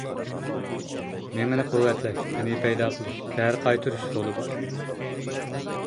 مىڭىنى قۇۋۋەتلەش، مەنىي پەيدا قىلىش، زەھەر قايتۇرۇش رولى بار.